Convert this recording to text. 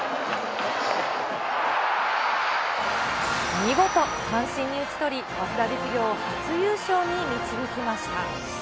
見事、三振に打ち取り、早稲田実業を初優勝に導きました。